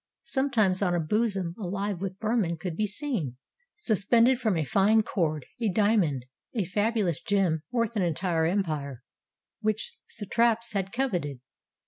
Sometimes on a bosom alive with vermin could be seen, suspended from a fine cord, a diamond, a fabulous gem worth an entire em pire, which satraps had coveted.